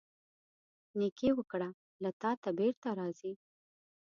نیکۍ وکړه، له تا ته بیرته راځي.